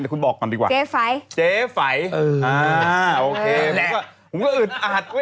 แต่คุณบอกก่อนดีกว่าเจฟัยเจฟัยเอออ่าโอเคแล้วผมก็อืดอาหารเว้ย